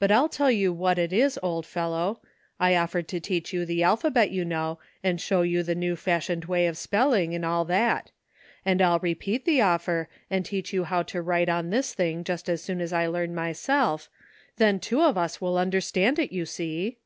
But I'll tell you what it 826 LUCKV is, old fellow ; I offered to teach you the alpha bet, you know, and show you the new fashioned way of spelling, and all that ; and I'll repeat the offer, and teach you how to write on this thing just as soon as I learn myself ; then two of us will understand it, you see."